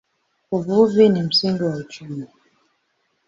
Uvuvi ni msingi wa uchumi.